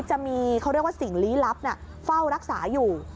จะมีเขาเรียกว่าสิ่งลี้ลับเฝ้ารักษาอยู่